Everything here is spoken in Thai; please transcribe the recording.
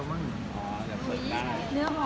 ห้องหลังคนอื่น